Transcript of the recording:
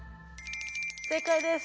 正解です！